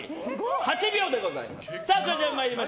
８秒でございます。